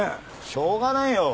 しょうがないよ。